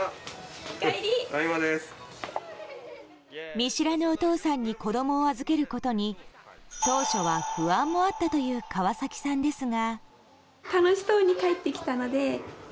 見知らぬお父さんに子供を預けることに当初は不安もあったという川崎さんですが。